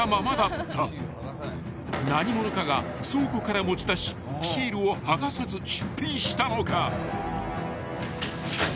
［何者かが倉庫から持ち出しシールを剥がさず出品したのか］